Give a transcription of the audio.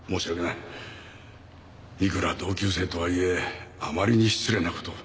いくら同級生とはいえあまりに失礼なことを。